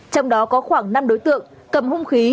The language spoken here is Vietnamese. trong đó có khoảng năm đối tượng cầm hung khí